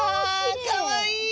かわいい！